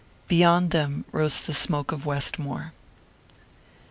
Beyond them rose the smoke of Westmore.